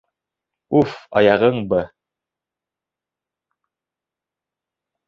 — Уф, аяғың, б...